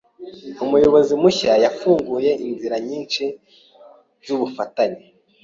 Umuyobozi mushya yafunguye inzira nyinshi zubufatanye.